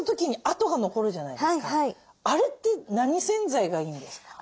あれって何洗剤がいいんですか？